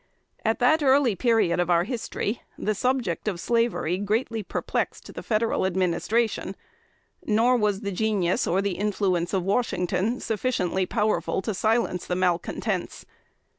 At that early period of our history, the subject of slavery greatly perplexed the Federal Administration; nor was the genius, or the influence of Washington, sufficiently powerful to silence the malcontents.